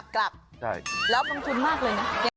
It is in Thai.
กลับแล้วกำคุณมากเลยนะ